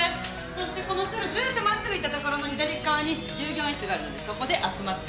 そしてこの通路ずっと真っすぐ行った所の左っ側に従業員室があるのでそこで集まって。